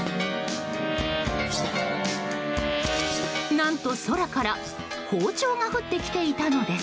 何と、空から包丁が降ってきていたのです。